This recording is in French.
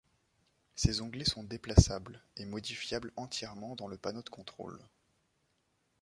Ces onglets sont déplaçables, et modifiables entièrement dans le panneau de contrôle.